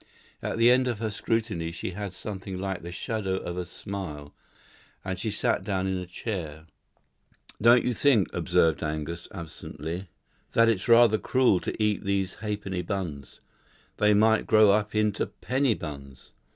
At the end of her scrutiny she had something like the shadow of a smile, and she sat down in a chair. "Don't you think," observed Angus, absently, "that it's rather cruel to eat these halfpenny buns? They might grow up into penny buns.